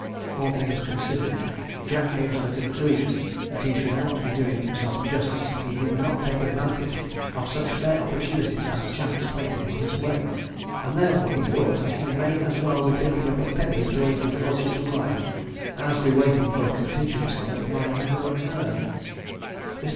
All things considered, Jack came to the conclusion that he should not be doing himself justice if he did not take advantage of such fair opportunities as chance placed in his way, and therefore he thought he might as well be picking up a penny during his lordship's life, as be waiting for a contingency that might never occur. Mr.